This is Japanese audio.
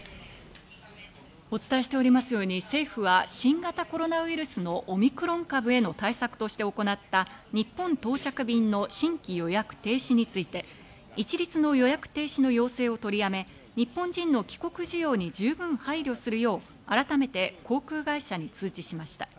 お伝えしておりますように、政府は新型コロナウイルスのオミクロン株への対策として行った日本到着便の新規予約停止について一律の予約停止の要請を取りやめ、日本人の帰国需要に十分配慮するよう、改めて航空会社に通知しました。